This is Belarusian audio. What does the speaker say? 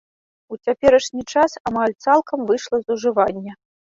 У цяперашні час амаль цалкам выйшла з ужывання.